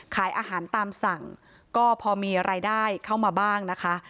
ขายอาหารตามสั่งก็พอมีรายได้เข้ามาบ้างนะคะ